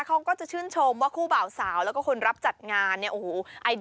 เขาก็จะชื่นชมว่าคู่เบาสาวและคนรับจัดงานแบบนี้